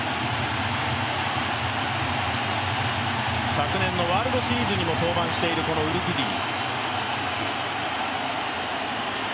昨年のワールドシリーズにも登板しているこのウルキディ。